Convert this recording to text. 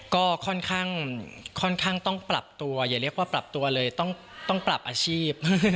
ก็ค่อนข้างต้องปรับตัวอย่าเรียกว่าปรับตัวเลยต้องปรับอาชีพ